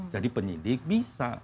jadi penyidik bisa